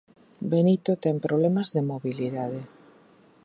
Benito ten problemas de mobilidade.